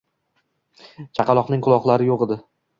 Chaqaloqning quloqlari yo`q edi